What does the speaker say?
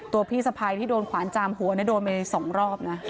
ตัวพี่สภัยที่โดนขวานจามหัวโดนไปสองรอบนะ